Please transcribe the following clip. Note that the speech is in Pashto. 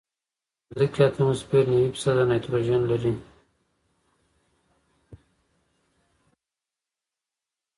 د ځمکې اتموسفیر نوي فیصده نایټروجن لري.